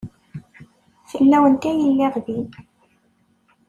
Fell-awent ay lliɣ din.